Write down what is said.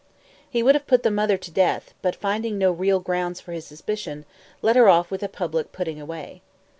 He would have put the mother to death, but finding no real grounds for his suspicion, let her off with a public "putting away."